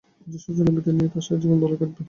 সেই সব ছেলেমেয়েদের নিয়ে তাঁর শেষজীবন ভালোই কাটবে।